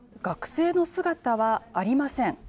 学生の姿はありません。